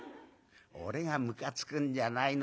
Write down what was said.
「俺がむかつくんじゃないの。ねえ。